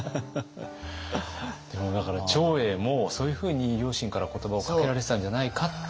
でもだから長英もそういうふうに両親から言葉をかけられてたんじゃないかっていう。